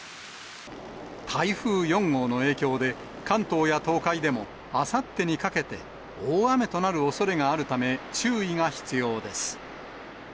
台風４号の影響で、関東や東海でも、あさってにかけて、大雨となるおそれがあるため注意が必要です。